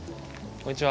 こんにちは。